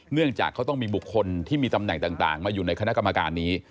เนื่องจากเขาต้องมีบุคคลที่มีตำแหน่งต่างมาอยู่ในคณะกรรมการนี้